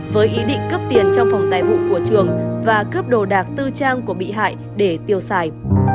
với ý định cướp tiền trong phòng tài vụ của trường và cướp đồ đạc tư trang của bị hại để tiêu xài